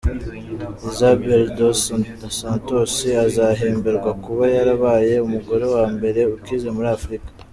Isabel Dos Santos, azahemberwa kuba yarabaye umugore wa mbere ukize muri Africa.